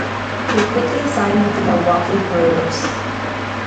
He quickly signed with the Milwaukee Brewers.